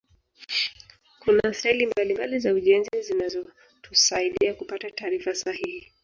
kuna staili mbalimbali za ujenzi zinazotusaaida kupata taarifa sahihi